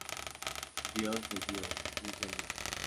Dios de Dios, luz de luz.